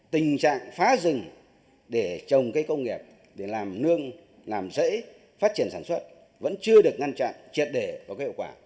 tình trạng phá rừng để trồng cây công nghiệp để làm nương làm rễ phát triển sản xuất vẫn chưa được ngăn chặn triệt để và có hiệu quả